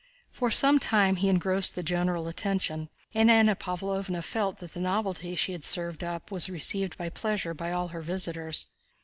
For some time he engrossed the general attention, and Anna Pávlovna felt that the novelty she had served up was received with pleasure by all her visitors.